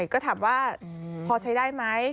ก็ถามว่าพอใช้ได้ไหม